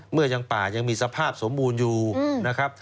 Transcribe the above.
เมื่อยังป่ายังมีสภาพสมบูรณ์อยู่นะครับ